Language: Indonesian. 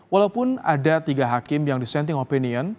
walaupun ada tiga hakim yang dissenting opinion